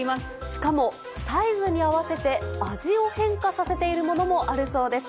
しかもサイズに合わせて味を変化させているものもあるそうです。